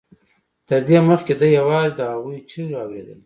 تر دې مخکې ده یوازې د هغوی چیغې اورېدلې